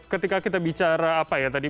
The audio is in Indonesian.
ketika kita bicara apa ya tadi